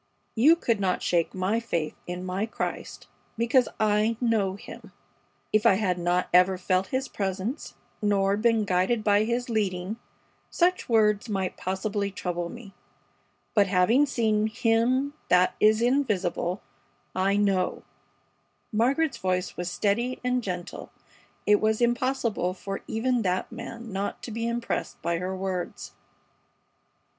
You could not shake my faith in my Christ, because I know Him. If I had not ever felt His presence, nor been guided by His leading, such words might possibly trouble me, but having seen 'Him that is invisible,' I know." Margaret's voice was steady and gentle. It was impossible for even that man not to be impressed by her words.